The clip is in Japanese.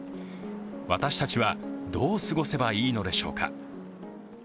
私たちはどう過ごせばいいのでしょうか。